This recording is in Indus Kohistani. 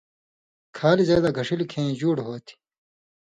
کھالیۡ زئ لا گھݜِلیۡ کھیں جُوڑ ہوتھی۔